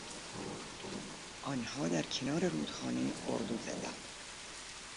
آنها در کنار رودخانه اردو زدند.